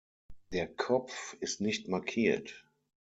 Der Kopf ist nicht markiert.